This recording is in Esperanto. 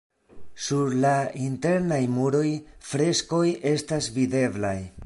Sur la internaj muroj freskoj estas videblaj.